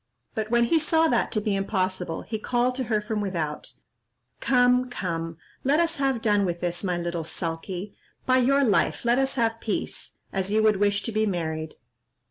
But when he saw that to be impossible, he called to her from without, "Come, come, let us have done with this, my little sulky; by your life, let us have peace, as you would wish to be married."